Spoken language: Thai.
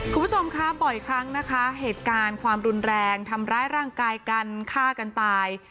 คุณผู้ชมคะบ่อยครั้งนะคะเหตุการณ์ความรุนแรงทำร้ายร่างกายกันฆ่ากันตาย